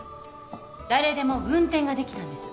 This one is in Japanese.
誰でも運転ができたんです。